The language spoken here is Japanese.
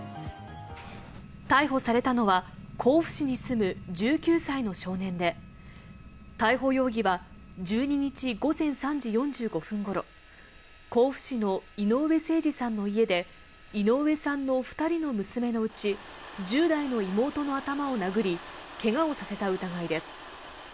逮捕されたのは甲府市に住む１９歳の少年で、逮捕容疑は１２日午前３時４５分頃、甲府市の井上盛司さんの家で井上さんの２人の娘のうち、１０代の妹の頭を殴り、けがをさせた疑いです。